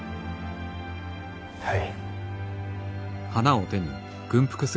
はい。